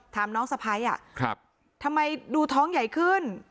ถามน้องสะพ้ายอ่ะครับทำไมดูท้องใหญ่ขึ้น